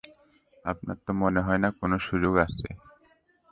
আপনার মনে হয় না কোন সুযোগ আছে?